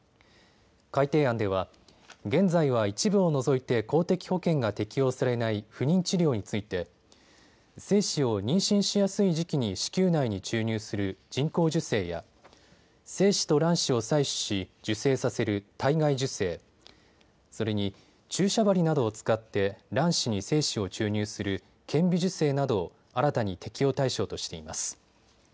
改定案では現在は一部を除いて公的保険が適用されない不妊治療について精子を妊娠しやすい時期に子宮内に注入する人工授精や精子と卵子を採取し受精させる体外受精、それに注射針などを使って卵子に精子を注入する顕微授精などを新たに適用対象としています。